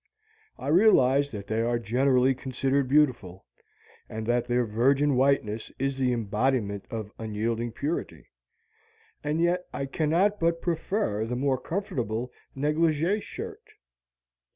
I realize that they are generally considered beautiful, and that their virgin whiteness is the embodiment of unyielding purity; and yet I cannot but prefer the more comfortable negligée shirt.